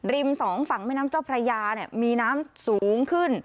สองฝั่งแม่น้ำเจ้าพระยามีน้ำสูงขึ้น